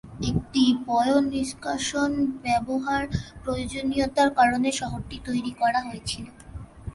একটি পয়ঃনিষ্কাশন ব্যবস্থার প্রয়োজনীয়তার কারণে শহরটি তৈরি করা হয়েছিল।